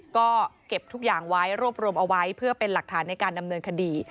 ก็เก็บทุกอย่างไว้รวบรวมเอาไว้เพื่อเป็นหลักฐานในการดำเนินคดี